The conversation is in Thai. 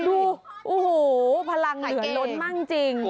ดูโอ้โหพลังเหลือล้นมากจริง